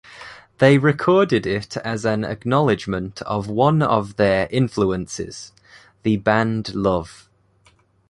They recorded it as an acknowledgement of one of their influences, the band Love.